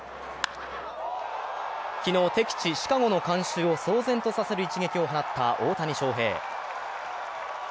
昨日、敵地シカゴの観衆を騒然とさせる一撃を放った大谷翔平。